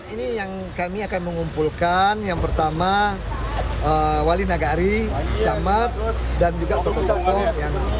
ini yang kami akan mengumpulkan yang pertama wali nagari jamat dan juga toko toko yang lain